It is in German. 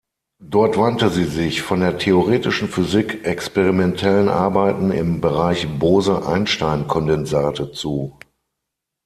Dort wandte sie sich von der theoretischen Physik experimentellen Arbeiten im Bereich Bose-Einstein-Kondensate zu.